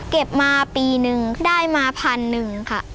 เก็บมาปีนึงได้มาพันหนึ่งค่ะ